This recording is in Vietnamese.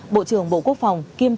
bộ trưởng bộ quốc phòng